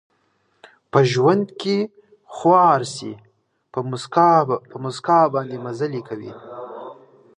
په ژوند کې خوار شي، په مسکا باندې مزلې کوي